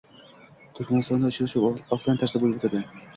Turkmanistonda uchrashuv oflayn tarzda boʻlib oʻtadi.